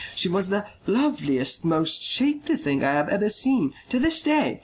She was the loveliest, most shapely thing I have ever seen to this day.